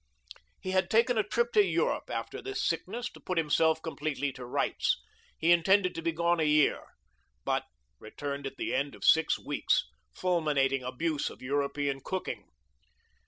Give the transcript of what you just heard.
He had taken a trip to Europe after this sickness to put himself completely to rights. He intended to be gone a year, but returned at the end of six weeks, fulminating abuse of European cooking.